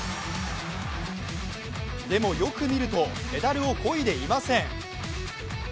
でもよく見ると、ペダルをこいでいません。